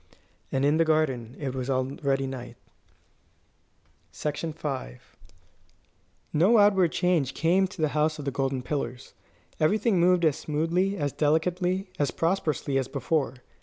And in the garden it was already night. V No outward change came to the House of the Golden Pillars. Everything moved as smoothly, as delicately, as prosperously, as before.